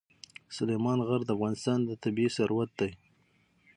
سلیمان غر د افغانستان طبعي ثروت دی.